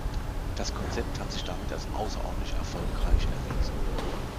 Das Konzept hat sich damit als außerordentlich erfolgreich erwiesen.